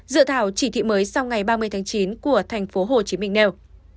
dự thảo chỉ thị mới sau ngày ba mươi tháng chín của tp hcm nêu